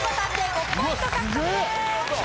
５ポイント獲得です。